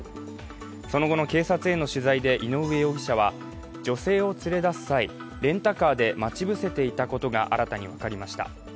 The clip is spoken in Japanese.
その後の警察への取材で井上容疑者は、女性を連れ出す際、レンタカーで待ち伏せていたことが新たに分かりました。